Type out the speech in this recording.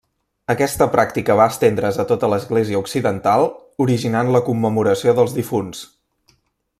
Aquesta pràctica va estendre's a tota l'església occidental, originant la commemoració dels difunts.